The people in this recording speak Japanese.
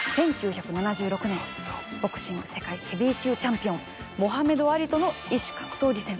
１９７６年ボクシング世界ヘビー級チャンピオンモハメド・アリとの異種格闘技戦。